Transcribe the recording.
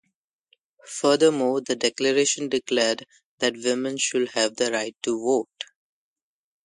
Furthermore, the Declaration declared that women should have the right to vote.